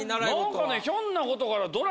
なんかねひょんなことから。